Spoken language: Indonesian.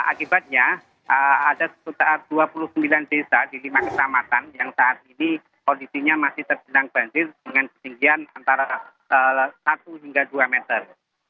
akibatnya ada dua puluh sembilan desa di lima kecamatan yang saat ini kondisinya masih tergenang banjir dengan ketinggian antara satu hingga dua meter